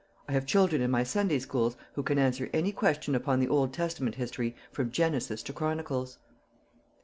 I have children in my Sunday schools who can answer any question upon the Old Testament history from Genesis to Chronicles."